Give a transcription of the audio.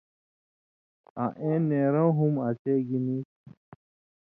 آں ایں نېروں ہُم اسے گی نی تُھو۔